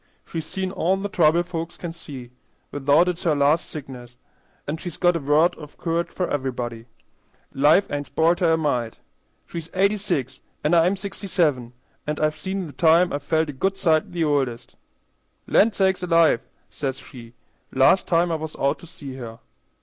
"She's seen all the trouble folks can see, without it's her last sickness; an' she's got a word of courage for everybody. Life ain't spoilt her a mite. She's eighty six an' I'm sixty seven, and I've seen the time I've felt a good sight the oldest. 'Land sakes alive!' says she, last time I was out to see her.